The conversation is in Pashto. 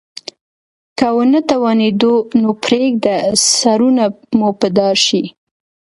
که ونه توانیدو نو پریږده سرونه مو په دار شي.